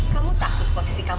kamu takut posisi kamu